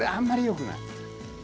あんまりよくない。